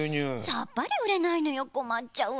さっぱりうれないのよこまっちゃうわ。